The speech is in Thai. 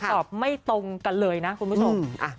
ตอบไม่ตรงกันเลยนะคุณผู้ชม